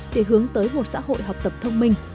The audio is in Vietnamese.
để hướng tới một xã hội học tập thông minh